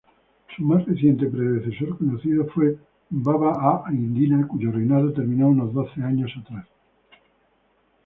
Su más reciente predecesor conocido fue Baba-aha-iddina, cuyo reinado terminó unos doce años atrás.